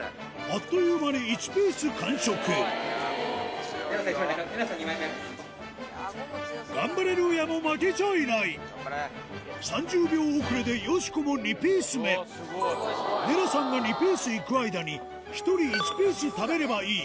あっという間に１ピース完食ガンバレルーヤも負けちゃいない３０秒遅れでよしこも２ピース目ネラさんが２ピースいく間に１人１ピース食べればいい